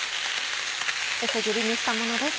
薄切りにしたものです。